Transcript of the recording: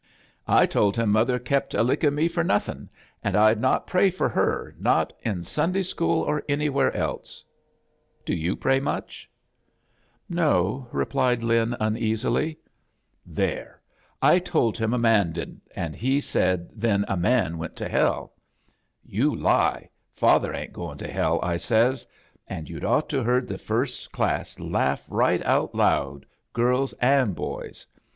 I told him mother kep' a licking me for nothing, an' I'd not pray for her, not in Sunday «chool or any wheres else. Do you pray much?" A JOURNEY IN SEARCH OF CHRISTHAS "No*" replied Lin, ooea^y. "There! I told him a man didn't, an' he said then a man went to helL *Yoa lie; father ain't going to hell,* I says, and you'd ought to beard the first class laugh right out loud, girls an' boys.